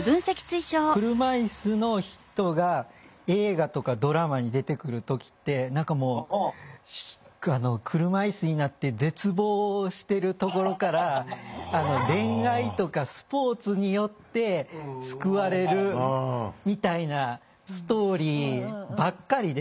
車いすの人が映画とかドラマに出てくる時って何かもう車いすになって絶望してるところから恋愛とかスポーツによって救われるみたいなストーリーばっかりで。